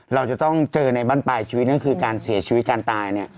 เราจะต้องเจอในบ้านปลายชีวิตนั่นคือการเสียชีวิตการตายเนี่ย